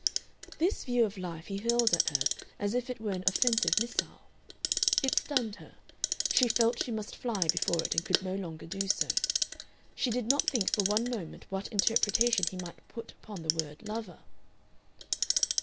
This view of life he hurled at her as if it were an offensive missile. It stunned her. She felt she must fly before it and could no longer do so. She did not think for one moment what interpretation he might put upon the word "lover."